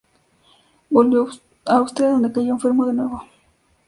Volvió a Austria, donde cayó enfermo de nuevo.